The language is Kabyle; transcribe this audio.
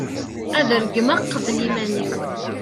ad regmeɣ uqbel iman-iw